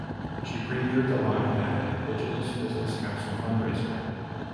She premiered the line at an Indigenous Business Council fundraiser.